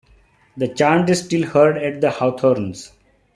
The chant is still heard at the Hawthorns.